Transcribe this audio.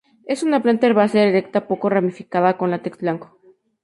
Es una planta herbácea erecta, poco ramificada, con látex blanco.